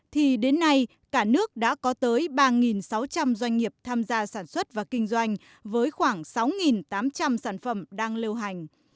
thì đến nay cả nước đã có tới ba sáu trăm linh doanh nghiệp tham gia sản xuất và kinh doanh với khoảng sáu tám trăm linh sản phẩm đang lưu hành